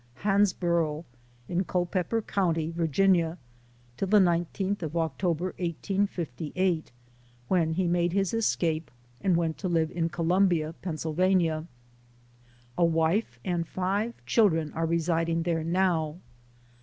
Hansbnrough, in Culpepper County, Virginia, till the 19th of October, 1858, when he made his escape, and went to live in Columbia, Pennsylvania, A wife and five children are resid ing there now.